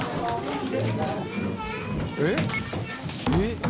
「えっ？」